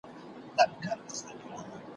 ګیله من یم `